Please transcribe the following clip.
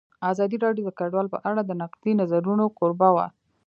ازادي راډیو د کډوال په اړه د نقدي نظرونو کوربه وه.